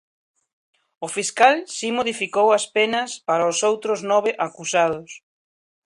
O fiscal si modificou as penas para os outros nove acusados.